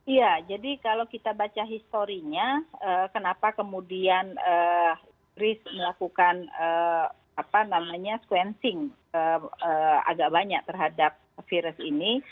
iya jadi kalau kita baca historinya kenapa kemudian inggris melakukan sequencing agak banyak terhadap virus ini